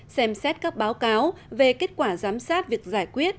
xem xét các báo cáo về kết quả giám sát việc giải quyết